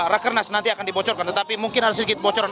rakernas nanti akan dibocorkan tetapi mungkin ada sedikit bocoran